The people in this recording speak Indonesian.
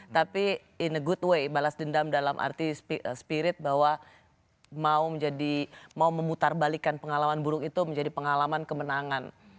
tapi in a goodway balas dendam dalam arti spirit bahwa mau memutarbalikan pengalaman buruk itu menjadi pengalaman kemenangan